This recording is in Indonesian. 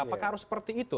apakah harus seperti itu